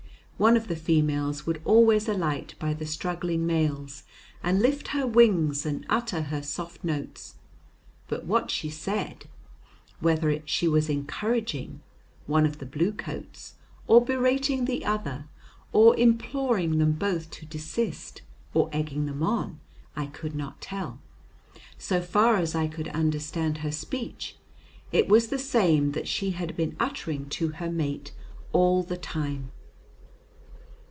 One of the females would always alight by the struggling males and lift her wings and utter her soft notes, but what she said whether she was encouraging one of the blue coats or berating the other, or imploring them both to desist, or egging them on I could not tell. So far as I could understand her speech, it was the same that she had been uttering to her mate all the time.